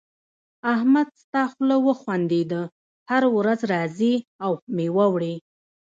احمد ستا خوله وخوندېده؛ هر ورځ راځې او مېوه وړې.